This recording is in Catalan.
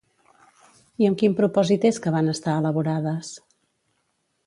I amb quin propòsit és que van estar elaborades?